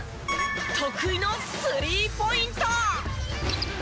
得意のスリーポイント！